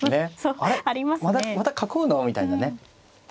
また囲うの？」みたいなね。